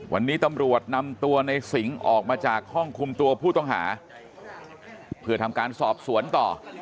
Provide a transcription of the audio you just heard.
วันนี้ตำรวจนำตัวในสิงห์ออกมาจากห้องคุมตัวผู้ต้องหาเพื่อทำการสอบสวนต่อ